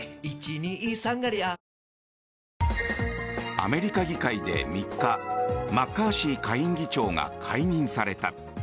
アメリカ議会で３日マッカーシー下院議長が解任された。